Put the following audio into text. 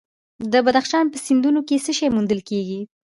د بدخشان په سیندونو کې څه شی موندل کیږي؟